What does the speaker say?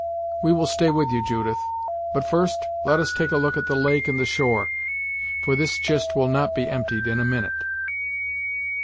We will stay with you, Judith but first let us take a look at the lake and the shore, for this chist will not be emptied in a minute."